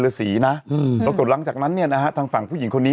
ฤษีนะอืมปรากฏหลังจากนั้นเนี่ยนะฮะทางฝั่งผู้หญิงคนนี้